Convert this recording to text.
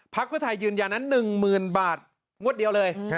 เพื่อไทยยืนยันนั้น๑๐๐๐บาทงวดเดียวเลย